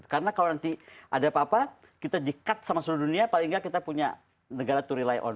karena kalau nanti ada apa apa kita di cut sama seluruh dunia paling gak kita punya negara to rely on